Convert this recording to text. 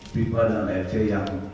bipa dan fc yang